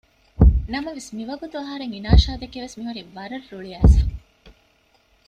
ނަމަވެސް މިވަގުތު އަހަރެން އިނާޝާދެކެ ވެސް މިހުރީ ވަރަށް ރުޅިއައިސްފަ